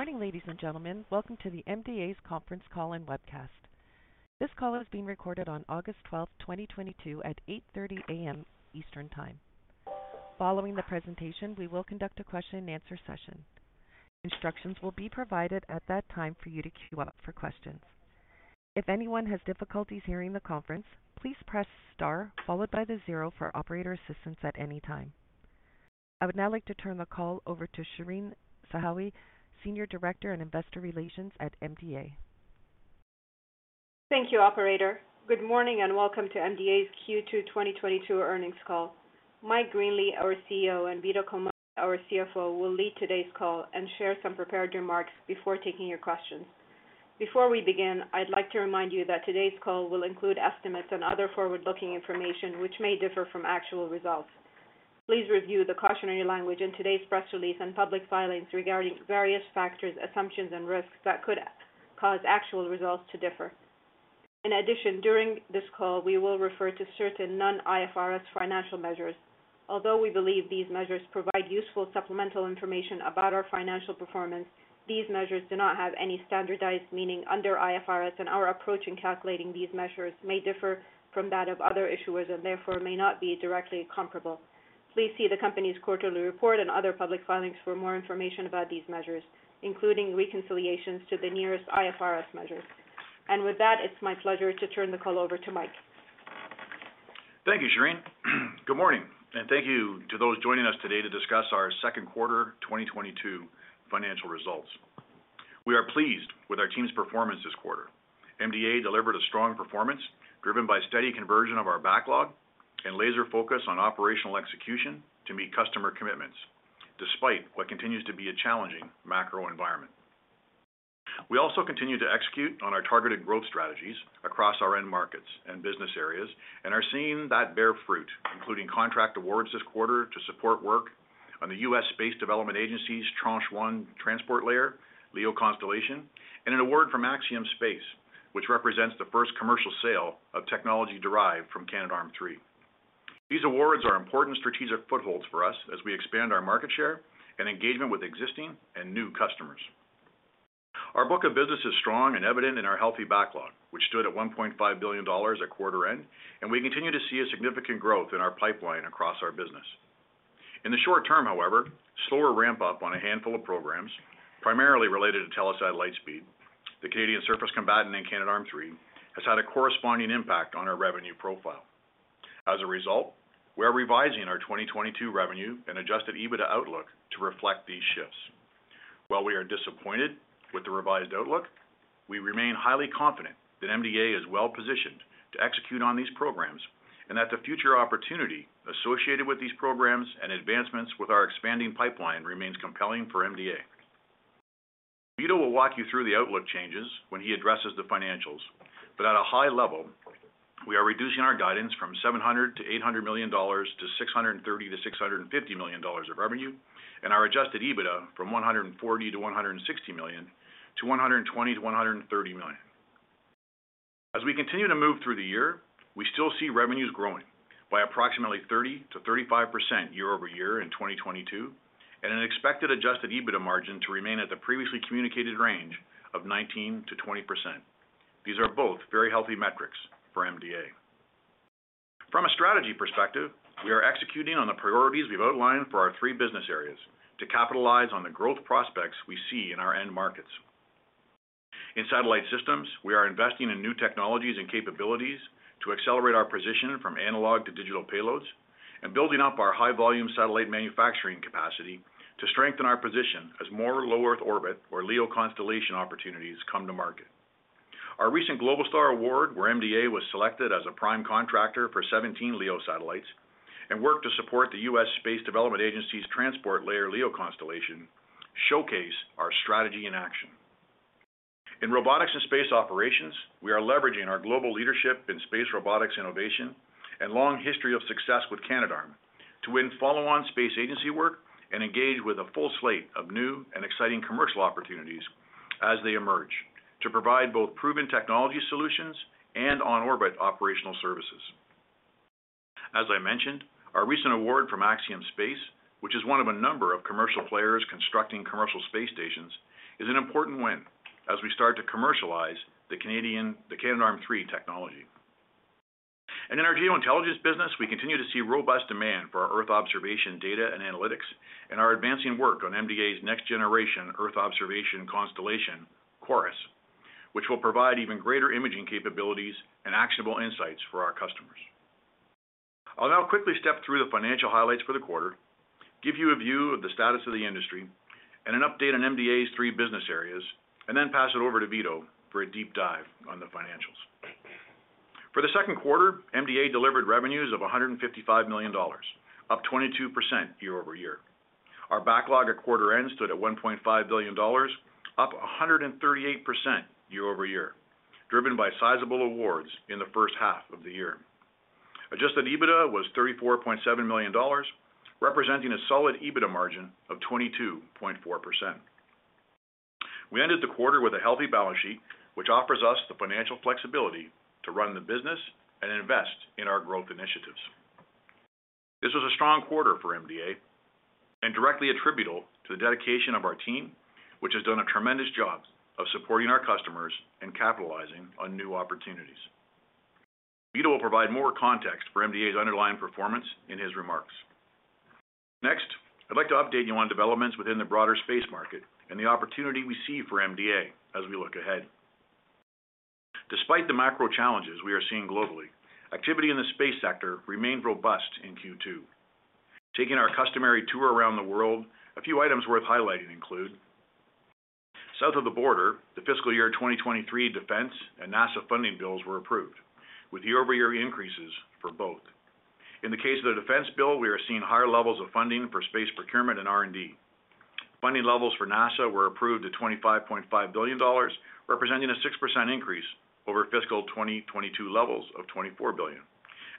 Good morning, ladies and gentlemen. Welcome to the MDA's conference call and webcast. This call is being recorded on August 12th, 2022 at 8:30 A.M. Eastern Time. Following the presentation, we will conduct a question and answer session. Instructions will be provided at that time for you to queue up for questions. If anyone has difficulties hearing the conference, please press star followed by the zero for operator assistance at any time. I would now like to turn the call over to Shereen Zahawi, Senior Director in Investor Relations at MDA. Thank you, operator. Good morning, and welcome to MDA's Q2 2022 earnings call. Mike Greenley, our CEO, and Vito Culmone, our CFO, will lead today's call and share some prepared remarks before taking your questions. Before we begin, I'd like to remind you that today's call will include estimates and other forward-looking information which may differ from actual results. Please review the cautionary language in today's press release and public filings regarding various factors, assumptions, and risks that could cause actual results to differ. In addition, during this call, we will refer to certain non-IFRS financial measures. Although we believe these measures provide useful supplemental information about our financial performance, these measures do not have any standardized meaning under IFRS, and our approach in calculating these measures may differ from that of other issuers and therefore may not be directly comparable. Please see the company's quarterly report and other public filings for more information about these measures, including reconciliations to the nearest IFRS measures. With that, it's my pleasure to turn the call over to Mike. Thank you, Shereen. Good morning, and thank you to those joining us today to discuss our second quarter 2022 financial results. We are pleased with our team's performance this quarter. MDA delivered a strong performance driven by steady conversion of our backlog and laser focus on operational execution to meet customer commitments, despite what continues to be a challenging macro environment. We also continue to execute on our targeted growth strategies across our end markets and business areas and are seeing that bear fruit, including contract awards this quarter to support work on the U.S. Space Development Agency's Tranche 1 Transport Layer, LEO Constellation, and an award from Axiom Space, which represents the first commercial sale of technology derived from Canadarm3. These awards are important strategic footholds for us as we expand our market share and engagement with existing and new customers. Our book of business is strong and evident in our healthy backlog, which stood at 1.5 billion dollars at quarter end, and we continue to see a significant growth in our pipeline across our business. In the short term, however, slower ramp up on a handful of programs, primarily related to Telesat Lightspeed, the Canadian Surface Combatant and Canadarm3, has had a corresponding impact on our revenue profile. As a result, we're revising our 2022 revenue and Adjusted EBITDA outlook to reflect these shifts. While we are disappointed with the revised outlook, we remain highly confident that MDA is well-positioned to execute on these programs and that the future opportunity associated with these programs and advancements with our expanding pipeline remains compelling for MDA. Vito will walk you through the outlook changes when he addresses the financials. At a high level, we are reducing our guidance from 700 million to 800 million dollars to 630 million to 650 million dollars of revenue and our Adjusted EBITDA from 140 million to 160 million to 120 million to 130 million. As we continue to move through the year, we still see revenues growing by approximately 30% to 35% year-over-year in 2022 and an expected Adjusted EBITDA margin to remain at the previously communicated range of 19% to 20%. These are both very healthy metrics for MDA. From a strategy perspective, we are executing on the priorities we've outlined for our three business areas to capitalize on the growth prospects we see in our end markets. In satellite systems, we are investing in new technologies and capabilities to accelerate our position from analog to digital payloads and building up our high-volume satellite manufacturing capacity to strengthen our position as more low Earth orbit or LEO constellation opportunities come to market. Our recent Globalstar award, where MDA was selected as a prime contractor for 17 LEO satellites and work to support the US Space Development Agency's Transport Layer LEO constellation, showcase our strategy in action. In robotics and space operations, we are leveraging our global leadership in space robotics innovation and long history of success with Canadarm to win follow-on space agency work and engage with a full slate of new and exciting commercial opportunities as they emerge to provide both proven technology solutions and on-orbit operational services. As I mentioned, our recent award from Axiom Space, which is one of a number of commercial players constructing commercial space stations, is an important win as we start to commercialize the Canadarm3 technology. In our geointelligence business, we continue to see robust demand for our Earth observation data and analytics and are advancing work on MDA's next-generation Earth observation constellation, Chorus, which will provide even greater imaging capabilities and actionable insights for our customers. I'll now quickly step through the financial highlights for the quarter, give you a view of the status of the industry and an update on MDA's three business areas, and then pass it over to Vito for a deep dive on the financials. For the second quarter, MDA delivered revenues of 155 million dollars, up 22% year-over-year. Our backlog at quarter end stood at 1.5 billion dollars, up 138% year-over-year, driven by sizable awards in the first half of the year. Adjusted EBITDA was 34.7 million dollars, representing a solid EBITDA margin of 22.4%. We ended the quarter with a healthy balance sheet, which offers us the financial flexibility to run the business and invest in our growth initiatives. This was a strong quarter for MDA and directly attributable to the dedication of our team, which has done a tremendous job of supporting our customers and capitalizing on new opportunities. Vito will provide more context for MDA's underlying performance in his remarks. Next, I'd like to update you on developments within the broader space market and the opportunity we see for MDA as we look ahead. Despite the macro challenges we are seeing globally, activity in the space sector remained robust in Q2. Taking our customary tour around the world, a few items worth highlighting include. South of the border, the fiscal year 2023 defense and NASA funding bills were approved, with year-over-year increases for both. In the case of the defense bill, we are seeing higher levels of funding for space procurement and R&D. Funding levels for NASA were approved at $25.5 billion, representing a 6% increase over fiscal 2022 levels of $24 billion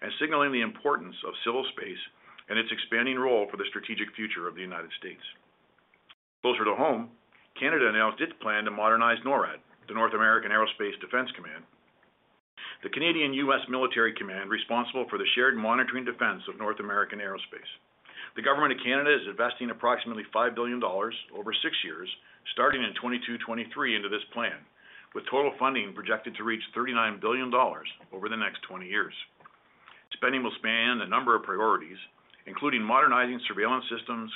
and signaling the importance of civil space and its expanding role for the strategic future of the United States. Closer to home, Canada announced its plan to modernize NORAD, the North American Aerospace Defense Command, the Canada-U.S. military command, responsible for the shared monitoring and defense of North American aerospace. The government of Canada is investing approximately 5 billion dollars over six years, starting in 2022-2023 into this plan, with total funding projected to reach 39 billion dollars over the next 20 years. Spending will span a number of priorities, including modernizing surveillance systems,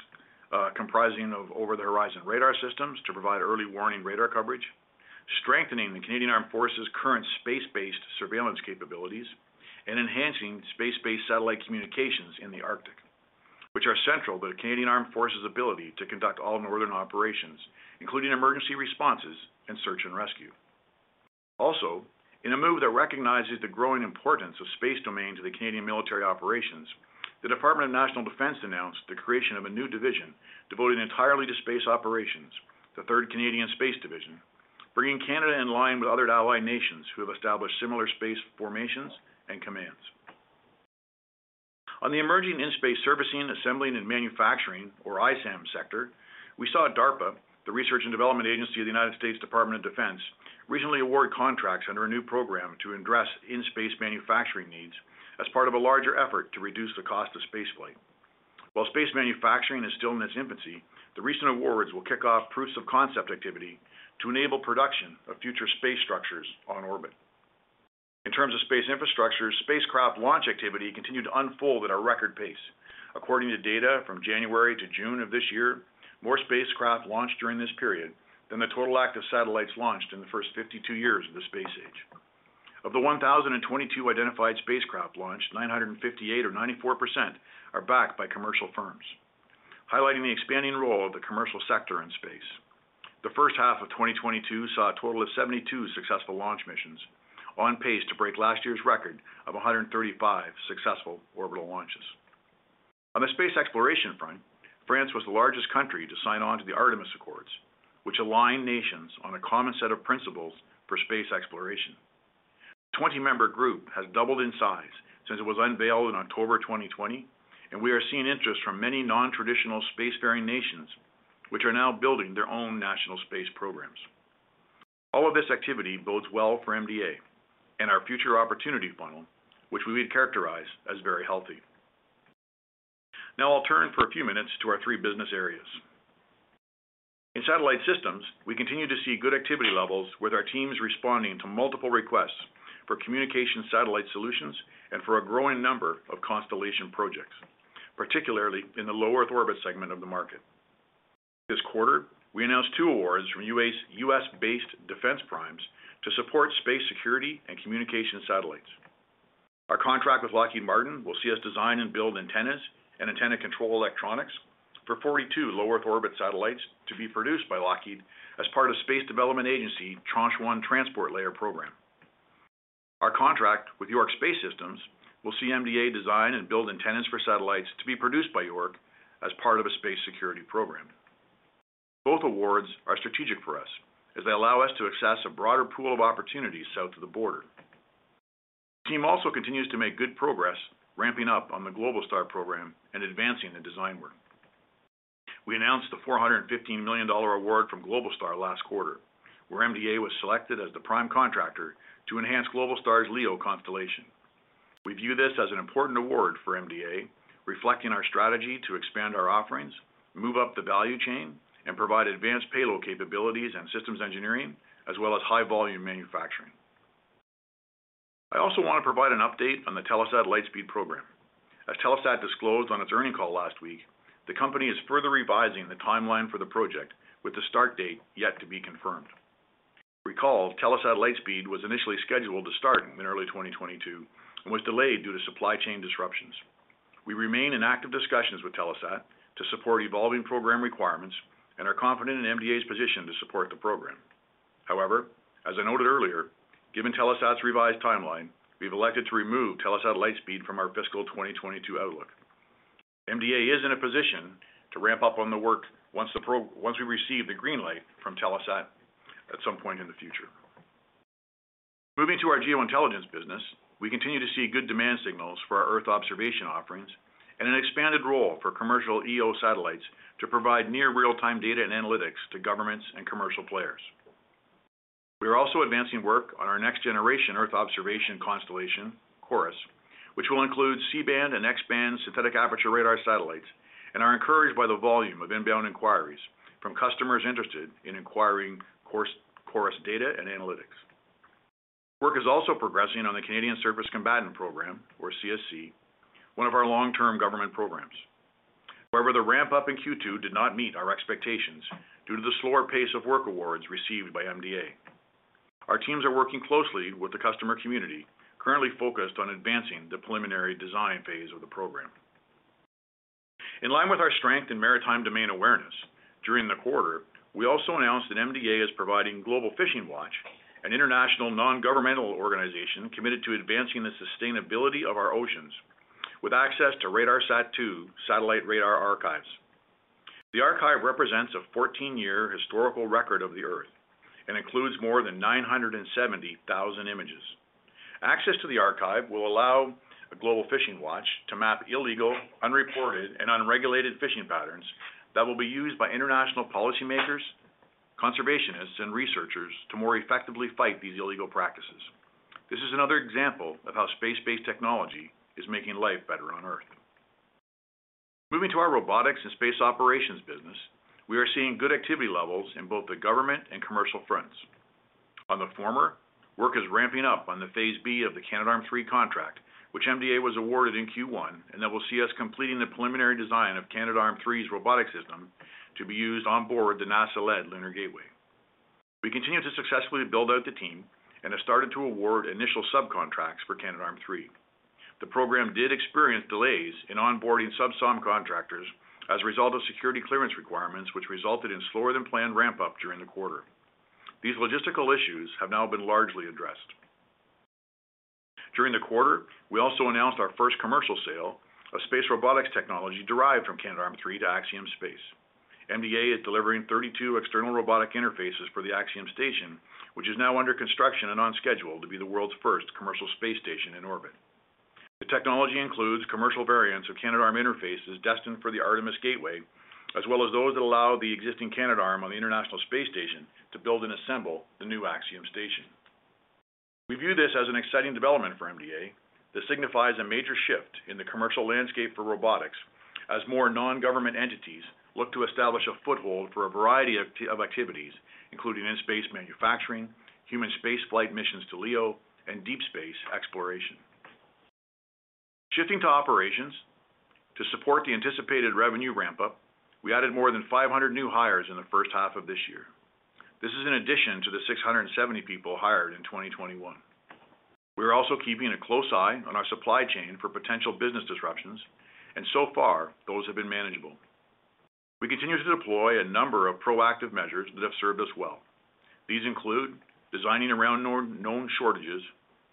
comprising of over-the-horizon radar systems to provide early warning radar coverage, strengthening the Canadian Armed Forces' current space-based surveillance capabilities, and enhancing space-based satellite communications in the Arctic, which are central to Canadian Armed Forces' ability to conduct all Northern operations, including emergency responses and search and rescue. In a move that recognizes the growing importance of space domain to the Canadian military operations, the Department of National Defence announced the creation of a new division devoted entirely to space operations, the third Canadian Space Division, bringing Canada in line with other allied nations who have established similar space formations and commands. On the emerging in-space servicing, assembling, and manufacturing, or ISAM sector, we saw DARPA, the research and development agency of the United States Department of Defense, recently award contracts under a new program to address in-space manufacturing needs as part of a larger effort to reduce the cost of spaceflight. While space manufacturing is still in its infancy, the recent awards will kick off proofs of concept activity to enable production of future space structures on orbit. In terms of space infrastructure, spacecraft launch activity continued to unfold at a record pace. According to data from January to June of this year, more spacecraft launched during this period than the total active satellites launched in the first 52 years of the space age. Of the 1,022 identified spacecraft launched, 958 or 94% are backed by commercial firms, highlighting the expanding role of the commercial sector in space. The first half of 2022 saw a total of 72 successful launch missions on pace to break last year's record of 135 successful orbital launches. On the space exploration front, France was the largest country to sign on to the Artemis Accords, which align nations on a common set of principles for space exploration. The 20-member group has doubled in size since it was unveiled in October 2020, and we are seeing interest from many non-traditional space-faring nations which are now building their own national space programs. All of this activity bodes well for MDA and our future opportunity funnel, which we would characterize as very healthy. Now, I'll turn for a few minutes to our three business areas. In satellite systems, we continue to see good activity levels with our teams responding to multiple requests for communication satellite solutions and for a growing number of constellation projects, particularly in the low Earth orbit segment of the market. This quarter, we announced two awards from U.S.-based defense primes to support space security and communication satellites. Our contract with Lockheed Martin will see us design and build antennas and antenna control electronics for 42 low Earth orbit satellites to be produced by Lockheed as part of Space Development Agency Tranche 1 Transport Layer program. Our contract with York Space Systems will see MDA design and build antennas for satellites to be produced by York as part of a space security program. Both awards are strategic for us as they allow us to access a broader pool of opportunities south of the border. The team also continues to make good progress ramping up on the Globalstar program and advancing the design work. We announced the $415 million award from Globalstar last quarter, where MDA was selected as the prime contractor to enhance Globalstar's LEO constellation. We view this as an important award for MDA, reflecting our strategy to expand our offerings, move up the value chain, and provide advanced payload capabilities and systems engineering, as well as high-volume manufacturing. I also want to provide an update on the Telesat Lightspeed program. As Telesat disclosed on its earnings call last week, the company is further revising the timeline for the project with the start date yet to be confirmed. Recall, Telesat Lightspeed was initially scheduled to start in early 2022 and was delayed due to supply chain disruptions. We remain in active discussions with Telesat to support evolving program requirements and are confident in MDA's position to support the program. However, as I noted earlier, given Telesat's revised timeline, we've elected to remove Telesat Lightspeed from our fiscal 2022 outlook. MDA is in a position to ramp up on the work once we receive the green light from Telesat at some point in the future. Moving to our geointelligence business, we continue to see good demand signals for our Earth observation offerings and an expanded role for commercial EO satellites to provide near real-time data and analytics to governments and commercial players. We are also advancing work on our next generation Earth observation constellation, CHORUS, which will include C-band and X-band synthetic aperture radar satellites, and are encouraged by the volume of inbound inquiries from customers interested in acquiring CHORUS data and analytics. Work is also progressing on the Canadian Surface Combatant program, or CSC, one of our long-term government programs. However, the ramp-up in Q2 did not meet our expectations due to the slower pace of work awards received by MDA. Our teams are working closely with the customer community, currently focused on advancing the preliminary design phase of the program. In line with our strength in maritime domain awareness, during the quarter, we also announced that MDA is providing Global Fishing Watch, an international non-governmental organization committed to advancing the sustainability of our oceans with access to RADARSAT-2 satellite radar archives. The archive represents a 14-year historical record of the Earth and includes more than 970,000 images. Access to the archive will allow Global Fishing Watch to map illegal, unreported, and unregulated fishing patterns that will be used by international policymakers, conservationists, and researchers to more effectively fight these illegal practices. This is another example of how space-based technology is making life better on Earth. Moving to our robotics and space operations business, we are seeing good activity levels in both the government and commercial fronts. On the former, work is ramping up on the Phase B of the Canadarm 3 contract, which MDA was awarded in Q1, and that will see us completing the preliminary design of Canadarm 3's robotic system to be used on board the NASA-led Lunar Gateway. We continue to successfully build out the team and have started to award initial subcontracts for Canadarm 3. The program did experience delays in onboarding sub-subcontractors as a result of security clearance requirements, which resulted in slower than planned ramp-up during the quarter. These logistical issues have now been largely addressed. During the quarter, we also announced our first commercial sale of space robotics technology derived from Canadarm 3 to Axiom Space. MDA is delivering 32 external robotic interfaces for the Axiom Station, which is now under construction and on schedule to be the world's first commercial space station in orbit. The technology includes commercial variants of Canadarm interfaces destined for the Artemis Gateway, as well as those that allow the existing Canadarm on the International Space Station to build and assemble the new Axiom Station. We view this as an exciting development for MDA that signifies a major shift in the commercial landscape for robotics as more non-government entities look to establish a foothold for a variety of activities, including in-space manufacturing, human spaceflight missions to LEO, and deep space exploration. Shifting to operations, to support the anticipated revenue ramp-up, we added more than 500 new hires in the first half of this year. This is in addition to the 670 people hired in 2021. We are also keeping a close eye on our supply chain for potential business disruptions, and so far, those have been manageable. We continue to deploy a number of proactive measures that have served us well. These include designing around known shortages,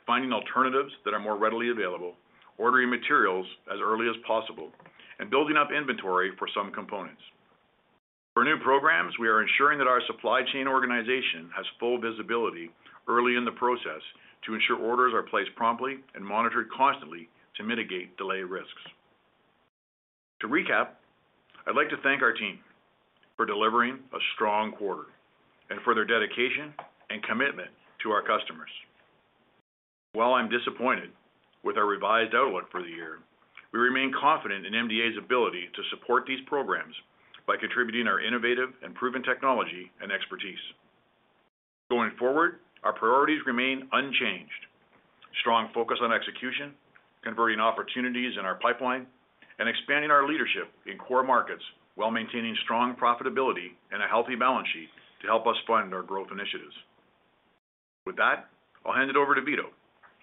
finding alternatives that are more readily available, ordering materials as early as possible, and building up inventory for some components. For new programs, we are ensuring that our supply chain organization has full visibility early in the process to ensure orders are placed promptly and monitored constantly to mitigate delay risks. To recap, I'd like to thank our team for delivering a strong quarter and for their dedication and commitment to our customers. While I'm disappointed with our revised outlook for the year, we remain confident in MDA's ability to support these programs by contributing our innovative and proven technology and expertise. Going forward, our priorities remain unchanged. Strong focus on execution, converting opportunities in our pipeline, and expanding our leadership in core markets while maintaining strong profitability and a healthy balance sheet to help us fund our growth initiatives. With that, I'll hand it over to Vito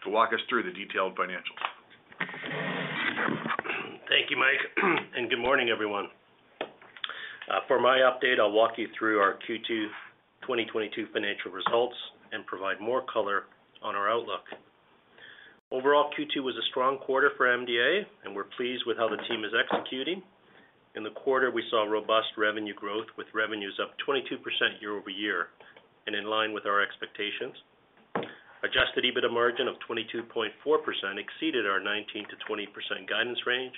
to walk us through the detailed financials. Thank you, Mike, and good morning, everyone. For my update, I'll walk you through our Q2 2022 financial results and provide more color on our outlook. Overall, Q2 was a strong quarter for MDA, and we're pleased with how the team is executing. In the quarter, we saw robust revenue growth, with revenues up 22% year-over-year and in line with our expectations. Adjusted EBITDA margin of 22.4% exceeded our 19% to 20% guidance range,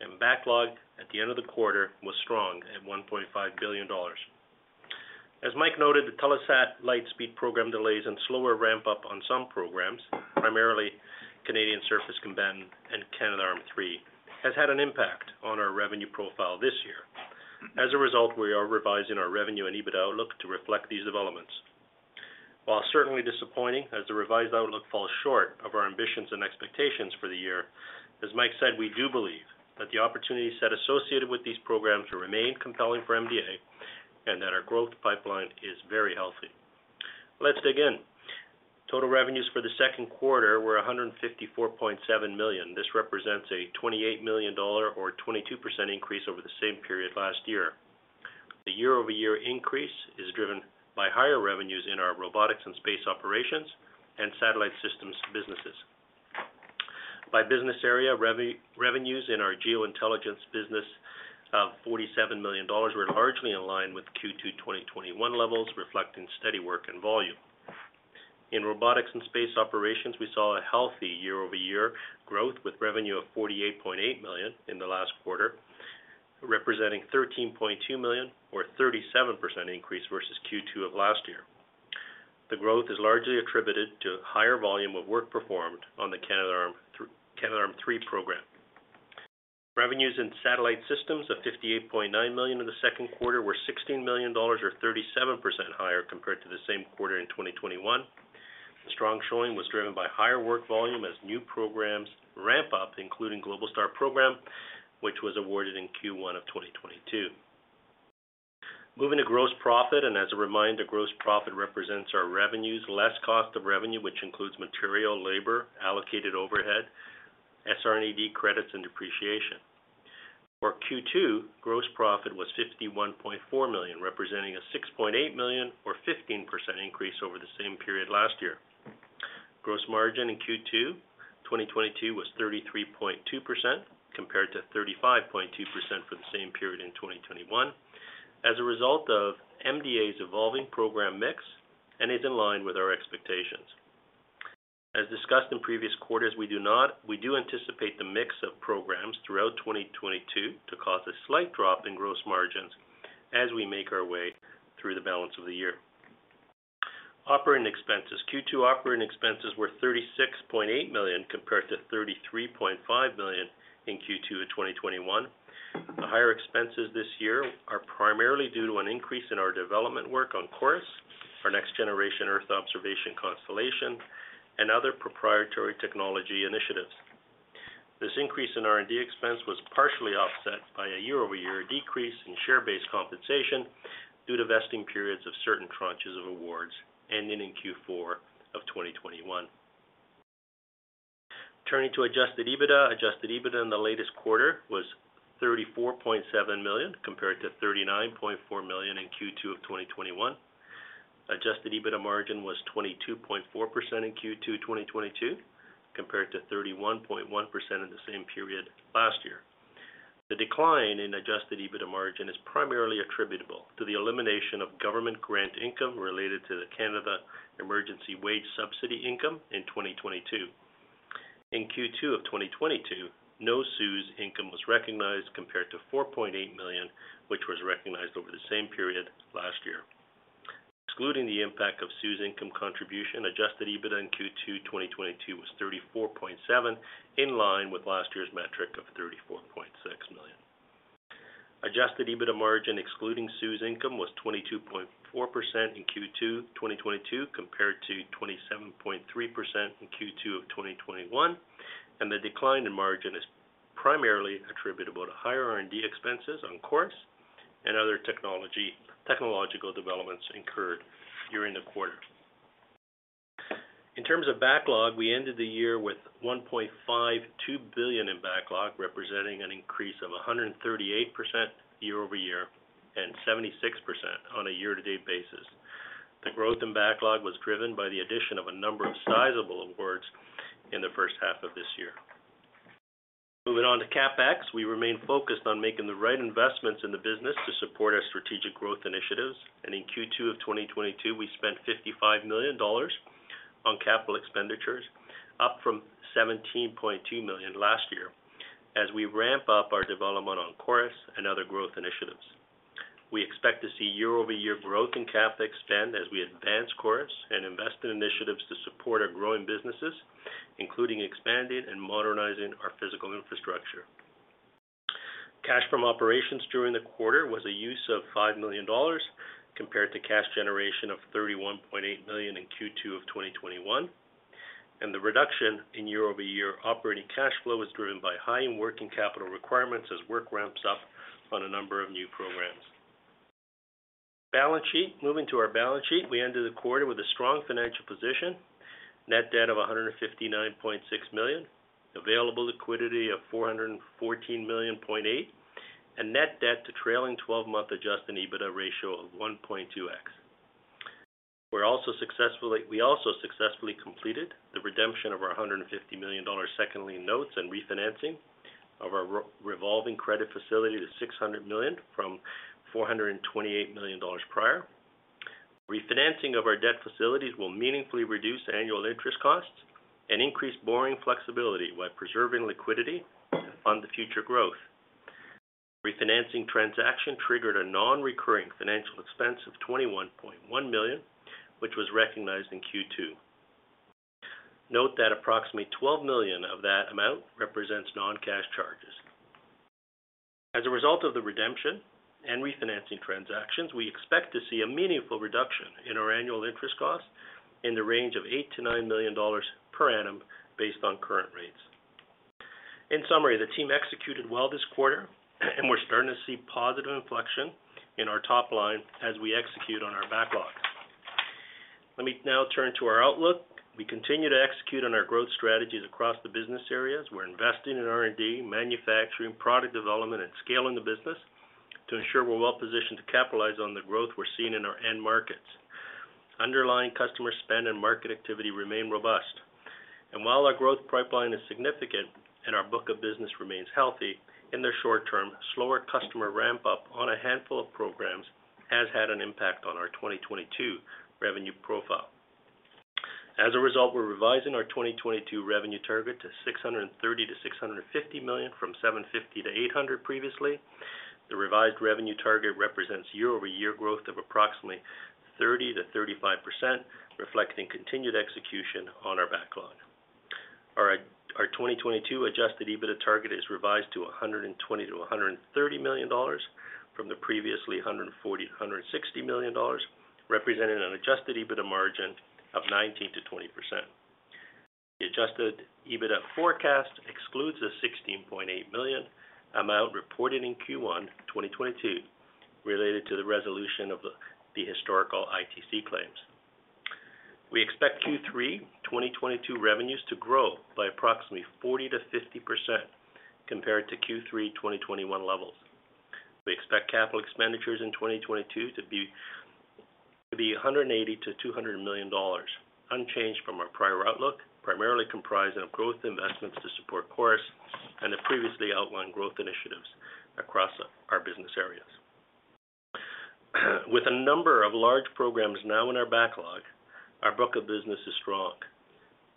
and backlog at the end of the quarter was strong at 1.5 billion dollars. As Mike noted, the Telesat Lightspeed program delays and slower ramp-up on some programs, primarily Canadian Surface Combatant and Canadarm 3, has had an impact on our revenue profile this year. As a result, we are revising our revenue and EBITDA outlook to reflect these developments. While certainly disappointing as the revised outlook falls short of our ambitions and expectations for the year, as Mike said, we do believe that the opportunity set associated with these programs will remain compelling for MDA and that our growth pipeline is very healthy. Let's dig in. Total revenues for the second quarter were 154.7 million. This represents a 28 million dollar or 22% increase over the same period last year. The year-over-year increase is driven by higher revenues in our robotics and space operations and satellite systems businesses. By business area, revenues in our geointelligence business of 47 million dollars were largely in line with Q2 2021 levels, reflecting steady work and volume. In robotics and space operations, we saw a healthy year-over-year growth with revenue of 48.8 million in the last quarter. Representing 13.2 million or 37% increase versus Q2 of last year. The growth is largely attributed to higher volume of work performed on the Canadarm3 program. Revenues in satellite systems of 58.9 million in the second quarter were 16 million dollars or 37% higher compared to the same quarter in 2021. The strong showing was driven by higher work volume as new programs ramp up, including Globalstar program, which was awarded in Q1 of 2022. Moving to gross profit, and as a reminder, gross profit represents our revenues, less cost of revenue, which includes material, labor, allocated overhead, SR&ED credits and depreciation. For Q2, gross profit was 51.4 million, representing a 6.8 million or 15% increase over the same period last year. Gross margin in Q2 2022 was 33.2% compared to 35.2% for the same period in 2021 as a result of MDA's evolving program mix and is in line with our expectations. As discussed in previous quarters, we do anticipate the mix of programs throughout 2022 to cause a slight drop in gross margins as we make our way through the balance of the year. Operating expenses. Q2 operating expenses were 36.8 million, compared to 33.5 million in Q2 of 2021. The higher expenses this year are primarily due to an increase in our development work on CHORUS, our next-generation Earth observation constellation and other proprietary technology initiatives. This increase in R&D expense was partially offset by a year-over-year decrease in share-based compensation due to vesting periods of certain tranches of awards ending in Q4 of 2021. Turning to Adjusted EBITDA. Adjusted EBITDA in the latest quarter was 34.7 million, compared to 39.4 million in Q2 of 2021. Adjusted EBITDA margin was 22.4% in Q2 2022, compared to 31.1% in the same period last year. The decline in Adjusted EBITDA margin is primarily attributable to the elimination of government grant income related to the Canada Emergency Wage Subsidy income in 2022. In Q2 of 2022, no CEWS income was recognized compared to 4.8 million, which was recognized over the same period last year. Excluding the impact of CEWS income contribution, adjusted EBITDA in Q2 2022 was 34.7 million, in line with last year's metric of 34.6 million. Adjusted EBITDA margin excluding CEWS income was 22.4% in Q2 2022 compared to 27.3% in Q2 of 2021, and the decline in margin is primarily attributable to higher R&D expenses on CHORUS and other technological developments incurred during the quarter. In terms of backlog, we ended the year with 1.52 billion in backlog, representing an increase of 138% year-over-year and 76% on a year-to-date basis. The growth in backlog was driven by the addition of a number of sizable awards in the first half of this year. Moving on to CapEx. We remain focused on making the right investments in the business to support our strategic growth initiatives. In Q2 of 2022, we spent 55 million dollars on capital expenditures, up from 17.2 million last year as we ramp up our development on CHORUS and other growth initiatives. We expect to see year-over-year growth in CapEx spend as we advance CHORUS and invest in initiatives to support our growing businesses, including expanding and modernizing our physical infrastructure. Cash from operations during the quarter was a use of 5 million dollars compared to cash generation of 31.8 million in Q2 of 2021, and the reduction in year-over-year operating cash flow was driven by high working capital requirements as work ramps up on a number of new programs. Balance sheet. Moving to our balance sheet, we ended the quarter with a strong financial position. Net debt of 159.6 million, available liquidity of 414.8 million, and net debt to trailing 12-month Adjusted EBITDA ratio of 1.2x. We also successfully completed the redemption of our 150 million dollars second lien notes and refinancing of our revolving credit facility to 600 million from 428 million dollars prior. Refinancing of our debt facilities will meaningfully reduce annual interest costs and increase borrowing flexibility while preserving liquidity to fund the future growth. Refinancing transaction triggered a non-recurring financial expense of 21.1 million, which was recognized in Q2. Note that approximately 12 million of that amount represents non-cash charges. As a result of the redemption and refinancing transactions, we expect to see a meaningful reduction in our annual interest costs in the range of 8 million-9 million dollars per annum based on current rates. In summary, the team executed well this quarter, and we're starting to see positive inflection in our top line as we execute on our backlog. Let me now turn to our outlook. We continue to execute on our growth strategies across the business areas. We're investing in R&D, manufacturing, product development and scaling the business to ensure we're well-positioned to capitalize on the growth we're seeing in our end markets. Underlying customer spend and market activity remain robust. While our growth pipeline is significant and our book of business remains healthy, in the short term, slower customer ramp up on a handful of programs has had an impact on our 2022 revenue. As a result, we're revising our 2022 revenue target to 630 million to 650 million from 750 million to 800 million previously. The revised revenue target represents year-over-year growth of approximately 30% to 35%, reflecting continued execution on our backlog. Our 2022 Adjusted EBITDA target is revised to 120 million to 130 million dollars from the previous 140 million dollars to 160 million dollars, representing an Adjusted EBITDA margin of 19% to 20%. The Adjusted EBITDA forecast excludes the 16.8 million amount reported in Q1 2022 related to the resolution of the historical ITC claims. We expect Q3 2022 revenues to grow by approximately 40% to 50% compared to Q3 2021 levels. We expect capital expenditures in 2022 to be 180 million to 200 million dollars, unchanged from our prior outlook, primarily comprised of growth investments to support CHORUS and the previously outlined growth initiatives across our business areas. With a number of large programs now in our backlog, our book of business is strong.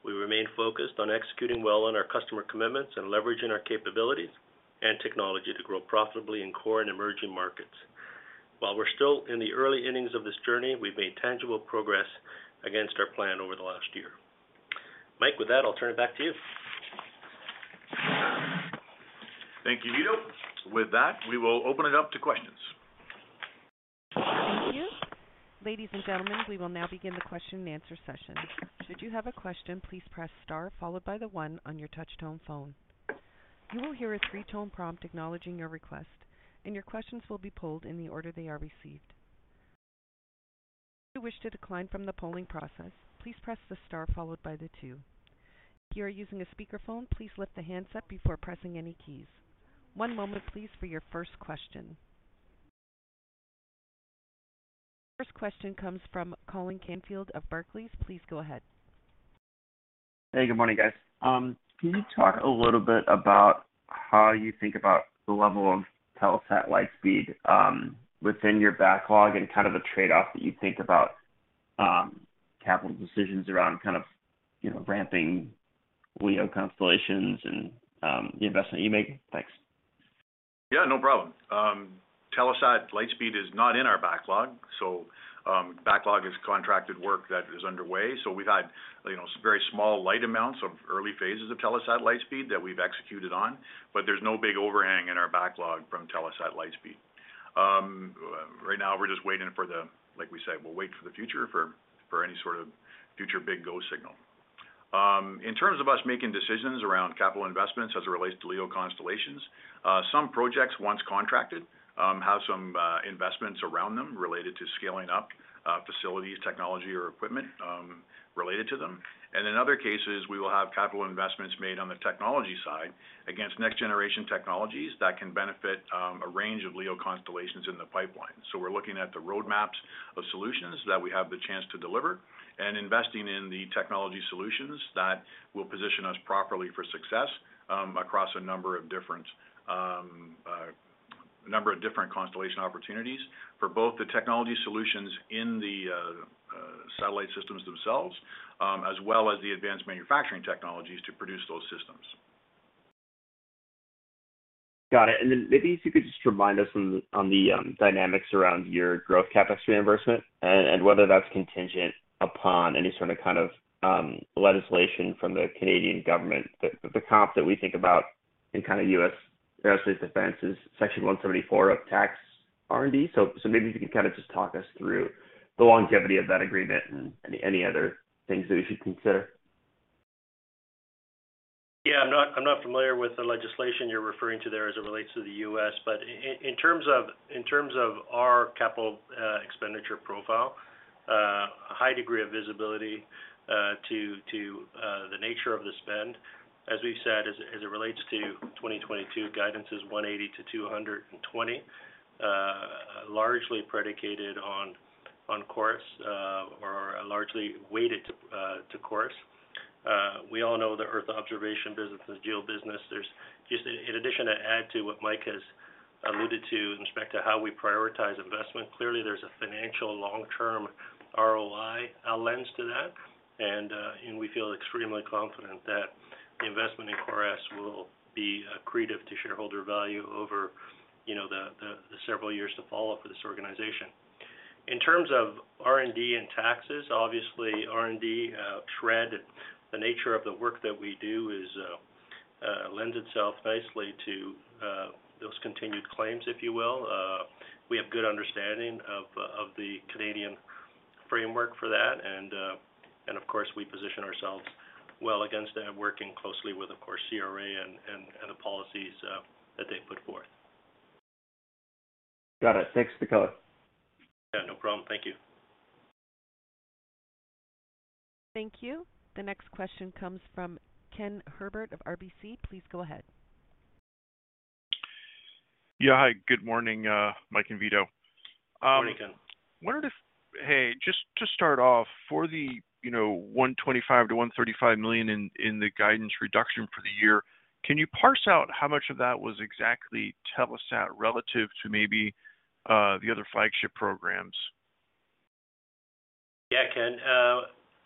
We remain focused on executing well on our customer commitments and leveraging our capabilities and technology to grow profitably in core and emerging markets. While we're still in the early innings of this journey, we've made tangible progress against our plan over the last year. Mike, with that, I'll turn it back to you. Thank you, Vito. With that, we will open it up to questions. Thank you. Ladies and gentlemen, we will now begin the question and answer session. Should you have a question, please press star followed by the one on your touch tone phone. You will hear a three-tone prompt acknowledging your request, and your questions will be polled in the order they are received. If you wish to decline from the polling process, please press the star followed by the two. If you are using a speakerphone, please lift the handset before pressing any keys. One moment please for your first question. First question comes from Colin Canfield of Barclays. Please go ahead. Hey, good morning, guys. Can you talk a little bit about how you think about the level of Telesat Lightspeed within your backlog and kind of the trade-off that you think about capital decisions around kind of, you know, ramping LEO constellations and the investment you make? Thanks. Yeah, no problem. Telesat Lightspeed is not in our backlog, so backlog is contracted work that is underway. We've had, you know, some very small light amounts of early phases of Telesat Lightspeed that we've executed on, but there's no big overhang in our backlog from Telesat Lightspeed. Right now we're just waiting for the, like we said, we'll wait for the future for any sort of future big go signal. In terms of us making decisions around capital investments as it relates to LEO constellations, some projects once contracted have some investments around them related to scaling up facilities, technology or equipment related to them. In other cases, we will have capital investments made on the technology side against next generation technologies that can benefit a range of LEO constellations in the pipeline. We're looking at the roadmaps of solutions that we have the chance to deliver and investing in the technology solutions that will position us properly for success across a number of different constellation opportunities for both the technology solutions in the satellite systems themselves, as well as the advanced manufacturing technologies to produce those systems. Got it. Then maybe if you could just remind us on the dynamics around your growth CapEx reimbursement and whether that's contingent upon any sort of, kind of, legislation from the Canadian government. The comp that we think about in kind of U.S. aerospace defense is Section 174 of tax R&D. Maybe if you could kind of just talk us through the longevity of that agreement and any other things that we should consider. Yeah, I'm not familiar with the legislation you're referring to there as it relates to the U.S. In terms of our capital expenditure profile, a high degree of visibility to the nature of the spend. As we've said, as it relates to 2022 guidance is 180 to 220, largely predicated on CHORUS or largely weighted to CHORUS. We all know the earth observation business is geo business. There's in addition to what Mike has alluded to in respect to how we prioritize investment. Clearly, there's a financial long-term ROI lens to that. We feel extremely confident that the investment in CHORUS will be accretive to shareholder value over, you know, the several years to follow for this organization. In terms of R&D and taxes, obviously R&D, the nature of the work that we do lends itself nicely to those continued claims, if you will. We have good understanding of the Canadian framework for that. Of course, we position ourselves well against working closely with, of course, CRA and the policies that they put forth. Got it. Thanks for the color. Yeah, no problem. Thank you. Thank you. The next question comes from Ken Herbert of RBC. Please go ahead. Yeah. Hi, good morning, Mike and Vito. Morning, Ken. Hey, just to start off for the, you know, 125 million to 135 million in the guidance reduction for the year. Can you parse out how much of that was exactly Telesat relative to maybe the other flagship programs? Yeah, Ken,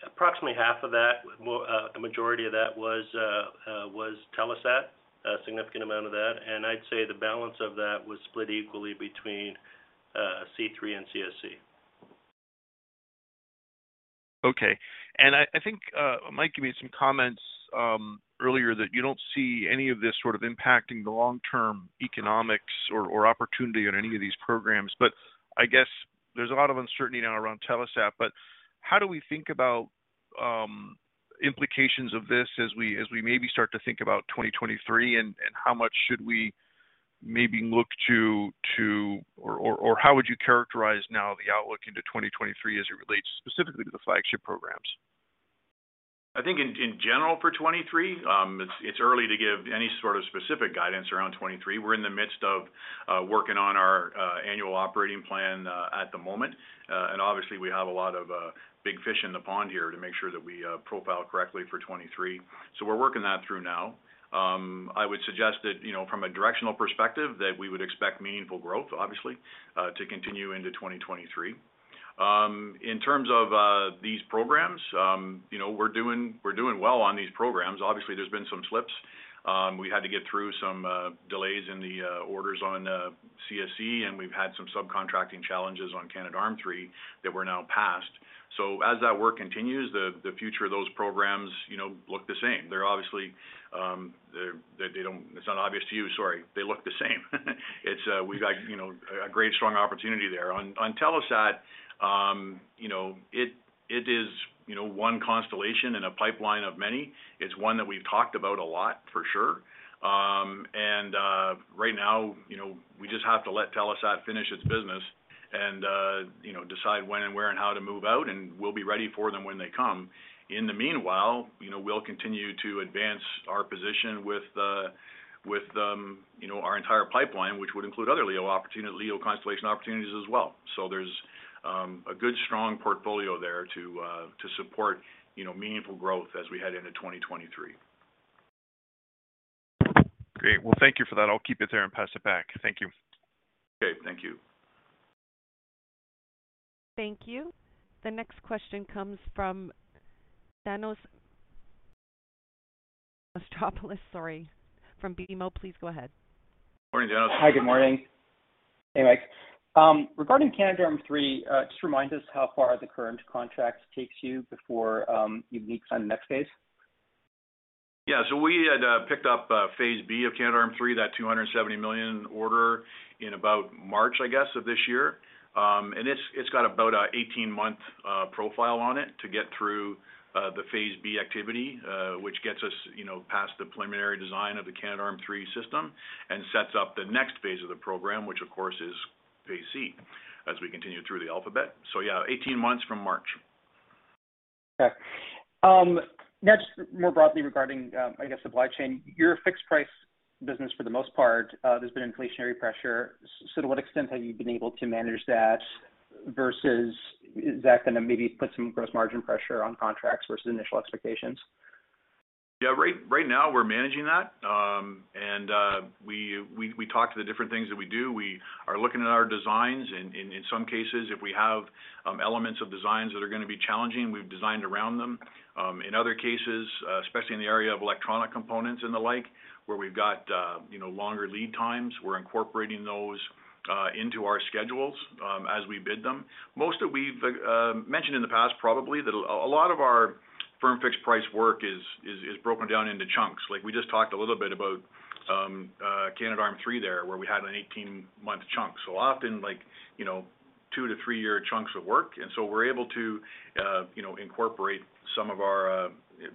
approximately half of that, the majority of that was Telesat, a significant amount of that. I'd say the balance of that was split equally between CSC. Okay. I think, Mike, you made some comments earlier that you don't see any of this sort of impacting the long-term economics or opportunity on any of these programs. I guess there's a lot of uncertainty now around Telesat, but how do we think about implications of this as we maybe start to think about 2023, and how much should we maybe look to? Or how would you characterize now the outlook into 2023 as it relates specifically to the flagship programs? I think in general for 2023, it's early to give any sort of specific guidance around 2023. We're in the midst of working on our annual operating plan at the moment. Obviously we have a lot of big fish in the pond here to make sure that we profile correctly for 2023. We're working that through now. I would suggest that, you know, from a directional perspective, that we would expect meaningful growth, obviously, to continue into 2023. In terms of these programs, you know, we're doing well on these programs. Obviously, there's been some slips. We had to get through some delays in the orders on CSC, and we've had some subcontracting challenges on Canada Arm III that we're now past. As that work continues, the future of those programs, you know, look the same. They look the same. We've got, you know, a great strong opportunity there. On Telesat, you know, it is, you know, one constellation in a pipeline of many. It's one that we've talked about a lot for sure. Right now, you know, we just have to let Telesat finish its business and, you know, decide when and where and how to move out, and we'll be ready for them when they come. In the meanwhile, you know, we'll continue to advance our position with, you know, our entire pipeline, which would include other LEO opportunity, LEO constellation opportunities as well. There's a good, strong portfolio there to support, you know, meaningful growth as we head into 2023. Great. Well, thank you for that. I'll keep it there and pass it back. Thank you. Okay. Thank you. Thank you. The next question comes from Thanos Moschopoulos, sorry, from BMO. Please go ahead. Morning, Thanos. Hi, good morning. Hey, Mike. Regarding Canadarm3, just remind us how far the current contract takes you before you'd need to sign the next phase. Yeah. We had picked up phase B of Canadarm3, that 270 million order in about March, I guess, of this year. It's got about an 18-month profile on it to get through the phase B activity, which gets us, you know, past the preliminary design of the Canadarm3 system and sets up the next phase of the program, which of course is phase C as we continue through the alphabet. Yeah, 18 months from March. Okay. Next, more broadly regarding, I guess supply chain, you're a fixed price business for the most part. There's been inflationary pressure. To what extent have you been able to manage that versus is that gonna maybe put some gross margin pressure on contracts versus initial expectations? Yeah. Right now we're managing that. We talked to the different things that we do. We are looking at our designs, and in some cases, if we have elements of designs that are gonna be challenging, we've designed around them. In other cases, especially in the area of electronic components and the like, where we've got you know, longer lead times, we're incorporating those into our schedules as we bid them. As we've mentioned in the past probably that a lot of our firm fixed price work is broken down into chunks. Like, we just talked a little bit about Canadarm3 there, where we had an 18-month chunk. Often, like, you know, two to three-year chunks of work. We're able to,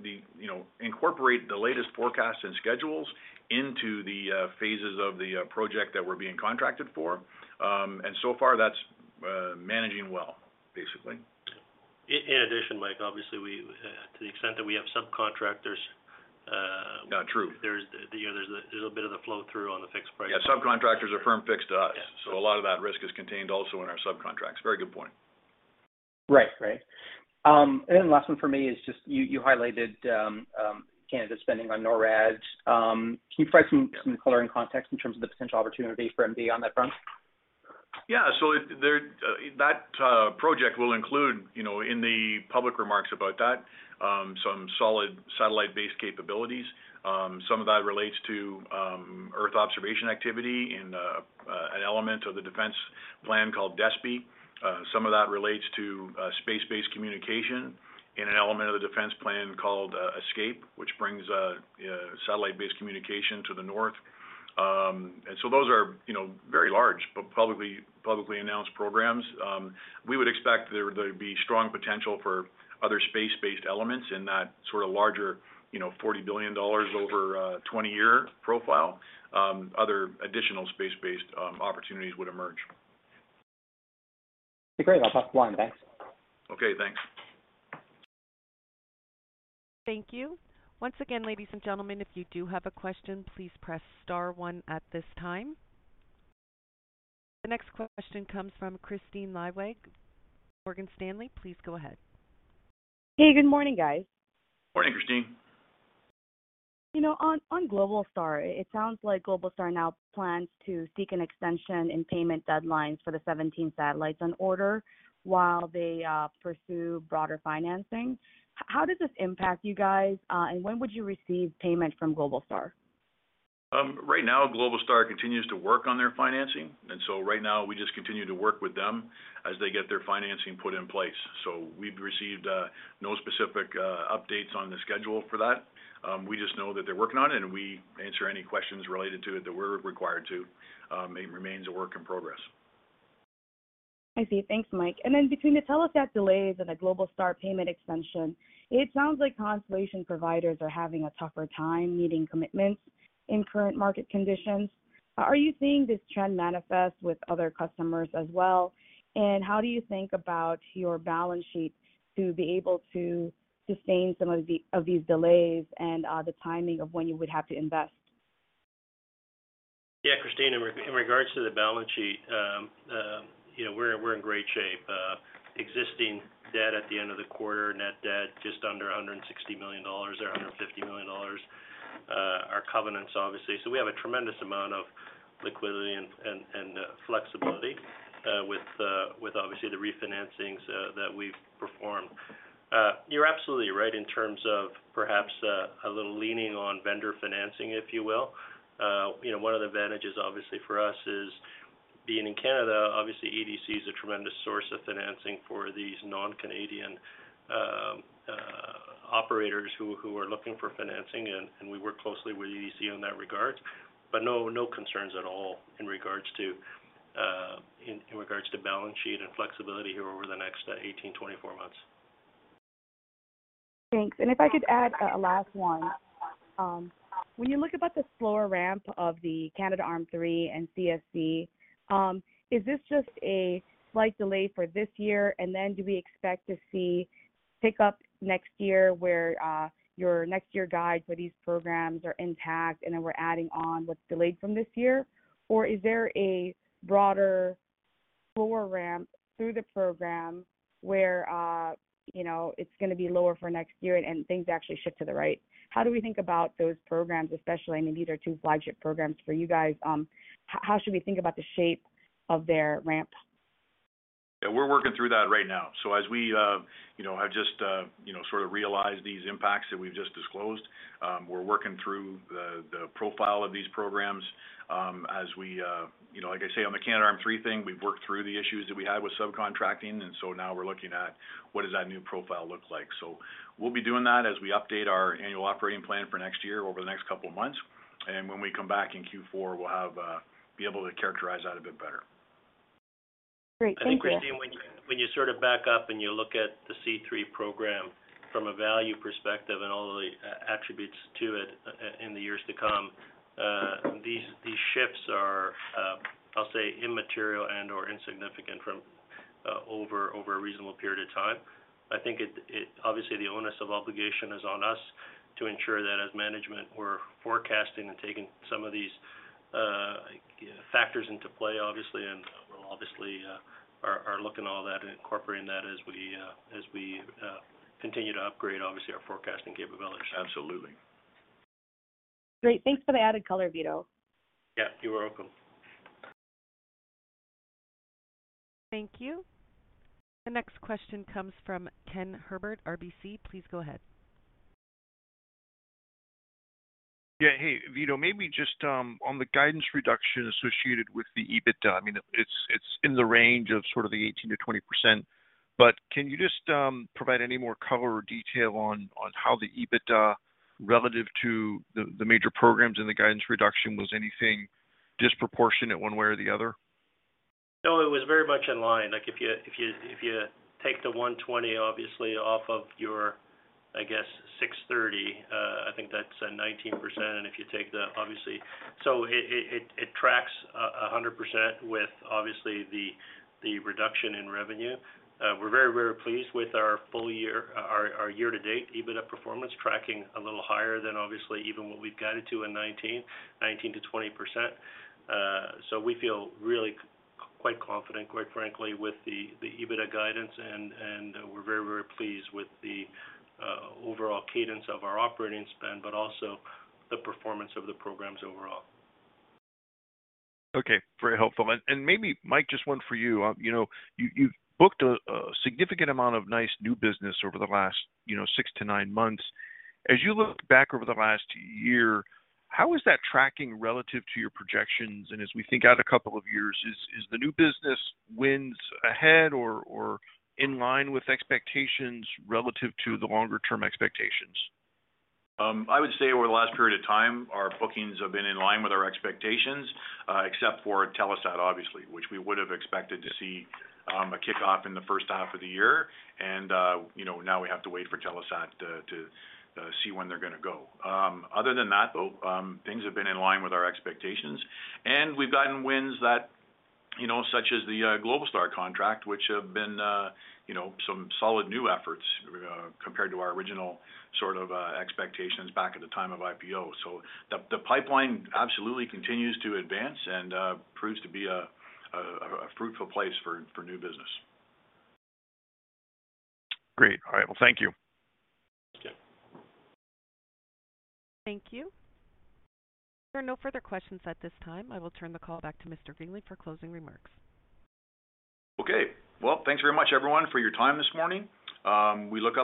you know, incorporate the latest forecasts and schedules into the phases of the project that we're being contracted for. So far, that's managing well, basically. In addition, Mike, obviously, we to the extent that we have subcontractors. Yeah, true. There's, you know, a bit of a flow through on the fixed price. Yeah, subcontractors are firm fixed to us. Yeah. A lot of that risk is contained also in our subcontracts. Very good point. Last one for me is just you highlighted Canada spending on NORAD. Can you provide some color and context in terms of the potential opportunity for MDA on that front? That project will include, you know, in the public remarks about that, some solid satellite-based capabilities. Some of that relates to earth observation activity in an element of the defense plan called DSPy. Some of that relates to space-based communication in an element of the defense plan called ESPC-P, which brings satellite-based communication to the North. Those are, you know, very large but publicly announced programs. We would expect there to be strong potential for other space-based elements in that sort of larger, you know, 40 billion dollars over 20-year profile. Other additional space-based opportunities would emerge. Okay, great. I'll pass the line. Thanks. Okay, thanks. Thank you. Once again, ladies and gentlemen, if you do have a question, please press star one at this time. The next question comes from Kristine Liwag, Morgan Stanley. Please go ahead. Hey, good morning, guys. Morning, Kristine. You know, on Globalstar, it sounds like Globalstar now plans to seek an extension in payment deadlines for the 17 satellites on order while they pursue broader financing. How does this impact you guys? When would you receive payment from Globalstar? Right now, Globalstar continues to work on their financing. Right now, we just continue to work with them as they get their financing put in place. We've received no specific updates on the schedule for that. We just know that they're working on it, and we answer any questions related to it that we're required to. It remains a work in progress. I see. Thanks, Mike. Then between the Telesat delays and the Globalstar payment extension, it sounds like constellation providers are having a tougher time meeting commitments in current market conditions. Are you seeing this trend manifest with other customers as well? How do you think about your balance sheet to be able to sustain some of these delays and the timing of when you would have to invest? Yeah, Kristine, in regards to the balance sheet, you know, we're in great shape. Existing debt at the end of the quarter, net debt, just under 160 million dollars or 150 million dollars, our covenants, obviously. We have a tremendous amount of liquidity and flexibility with obviously the refinancings that we've performed. You're absolutely right in terms of perhaps a little leaning on vendor financing, if you will. You know, one of the advantages, obviously, for us is being in Canada, obviously EDC is a tremendous source of financing for these non-Canadian operators who are looking for financing, and we work closely with EDC in that regard. No, no concerns at all in regards to balance sheet and flexibility here over the next 18-24 months. Thanks. If I could add a last one. When you look at the slower ramp of the Canadarm3 and CSC, is this just a slight delay for this year? And then do we expect to see pick-up next year where your next year guides for these programs are intact, and then we're adding on what's delayed from this year? Or is there a broader slower ramp through the program where, you know, it's gonna be lower for next year and things actually shift to the right? How do we think about those programs, especially, I mean, these are two flagship programs for you guys. How should we think about the shape of their ramp? Yeah, we're working through that right now. As we, you know, have just, you know, sort of realized these impacts that we've just disclosed, we're working through the profile of these programs. As we, you know, like I say, on the Canadarm 3 thing, we've worked through the issues that we had with subcontracting, and so now we're looking at what does that new profile look like. We'll be doing that as we update our annual operating plan for next year over the next couple of months. When we come back in Q4, we'll have be able to characterize that a bit better. Great. Thank you. I think, Kristine, when you sort of back up and you look at the C3 program from a value perspective and all of the attributes to it in the years to come, these shifts are, I'll say immaterial and/or insignificant from over a reasonable period of time. I think it obviously, the onus of obligation is on us to ensure that as management, we're forecasting and taking some of these factors into play, obviously. We'll obviously are looking all that and incorporating that as we continue to upgrade, obviously, our forecasting capabilities. Absolutely. Great. Thanks for the added color, Vito. Yeah, you're welcome. Thank you. The next question comes from Ken Herbert, RBC. Please go ahead. Yeah. Hey, Vito, maybe just on the guidance reduction associated with the EBITDA, I mean, it's in the range of sort of the 18% to 20%, but can you just provide any more color or detail on how the EBITDA relative to the major programs and the guidance reduction was anything disproportionate one way or the other? No, it was very much in line. Like, if you take the 120, obviously, off of your, I guess, 630, I think that's a 19%. It tracks 100% with obviously the reduction in revenue. We're very pleased with our full year, our year-to-date EBITDA performance, tracking a little higher than obviously even what we've guided to in 19% to 20%. We feel really quite confident, quite frankly, with the EBITDA guidance, and we're very pleased with the overall cadence of our operating spend, but also the performance of the programs overall. Okay, very helpful. Maybe, Mike, just one for you. You know, you've booked a significant amount of nice new business over the last, you know, six to nine months. As you look back over the last year, how is that tracking relative to your projections? As we think out a couple of years, is the new business wins ahead or in line with expectations relative to the longer term expectations? I would say over the last period of time, our bookings have been in line with our expectations, except for Telesat, obviously, which we would have expected to see, a kickoff in the first half of the year. You know, now we have to wait for Telesat to see when they're gonna go. Other than that, though, things have been in line with our expectations. We've gotten wins that, you know, such as the Globalstar contract, which have been, you know, some solid new efforts, compared to our original sort of expectations back at the time of IPO. The pipeline absolutely continues to advance and proves to be a fruitful place for new business. Great. All right. Well, thank you. Thanks, Ken. Thank you. There are no further questions at this time. I will turn the call back to Mr. Greenley for closing remarks. Okay. Well, thanks very much, everyone, for your time this morning. We look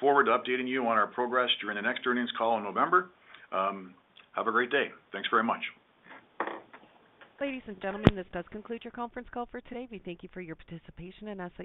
forward to updating you on our progress during the next earnings call in November. Have a great day. Thanks very much. Ladies and gentlemen, this does conclude your conference call for today. We thank you for your participation, and ask that you please-